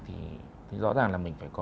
thì rõ ràng là mình phải có